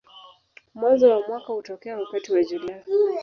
Mwanzo wa mwaka hutokea wakati wa Julai.